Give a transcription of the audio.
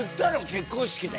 結婚式で。